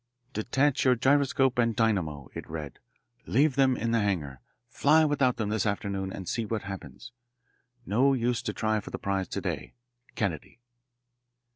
"Detach your gyroscope and dynamo," it read. "Leave them in the hangar. Fly without them this afternoon, and see what happens. No use to try for the prize to day. Kennedy."